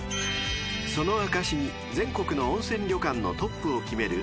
［その証しに全国の温泉旅館のトップを決める